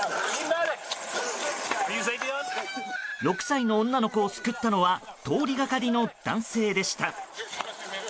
６歳の女の子を救ったのは通りがかりの男性でした。